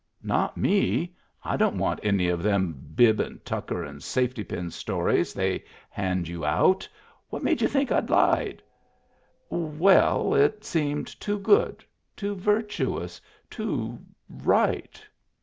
" Not me. I don't want any of them bib and tucker and safety pin stories they hand you out. What made y'u think Fd lied ?"" Well, it seemed too good, too virtuous, too right."